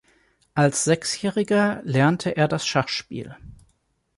Als sechsjähriger lernte er das Schachspiel.